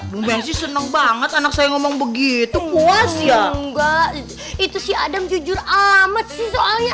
dung benzi senang banget anak saya ngomong begitu puas ya enggak itu sih adam jujur amat sih soalnya